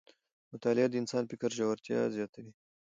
مطالعه د انسان د فکر ژورتیا زیاتوي